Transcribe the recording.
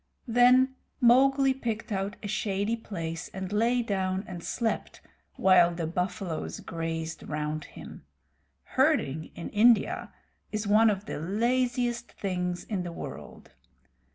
Then Mowgli picked out a shady place, and lay down and slept while the buffaloes grazed round him. Herding in India is one of the laziest things in the world.